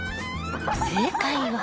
正解は。